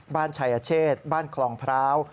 ชายเชษบ้านคลองพร้าว